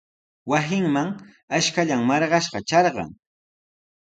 Wasinman ashkallan marqashqa trarqan.